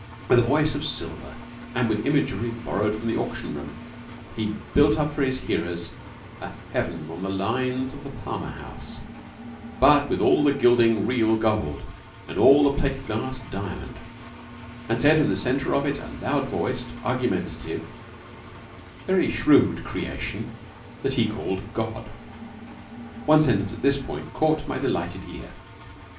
With a voice of silver and with imagery borrowed from the auction room, he built up for his hearers a heaven on the lines of the Palmer House (but with all the gilding real gold, and all the plate glass diamond), and set in the centre of it a loud voiced, argumentative, very shrewd creation that he called God. One sentence at this point caught my delighted ear.